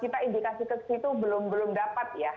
kita indikasi ke situ belum dapat ya